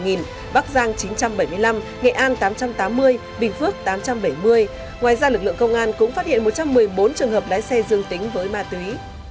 ngoài ra lực lượng công an cũng phát hiện một trăm một mươi bốn trường hợp lái xe dương tính với ma túy